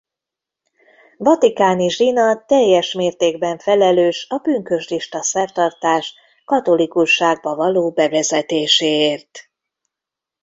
Vatikáni zsinat teljes mértékben felelős a pünkösdista szertartás katolikusságba való bevezetéséért.